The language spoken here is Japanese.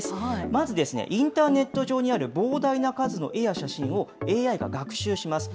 まずですね、インターネット上にある膨大な数の絵や写真をＡＩが学習します。